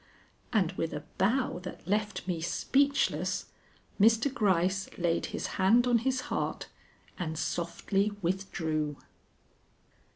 And with a bow that left me speechless, Mr. Gryce laid his hand on his heart and softly withdrew.